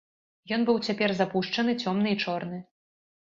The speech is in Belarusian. Ён быў цяпер запушчаны, цёмны і чорны.